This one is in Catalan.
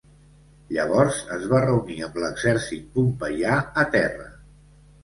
Llavors es va reunir amb l’exèrcit pompeià a terra.